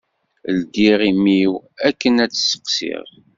Ldiɣ imi-w akken ad t-steqsiɣ.